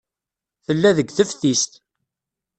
Tella deg teftist.